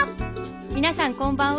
皆さんこんばんは。